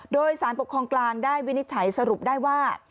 โดยสารปกครองกลางได้วินิจฉัยสรุปได้ว่า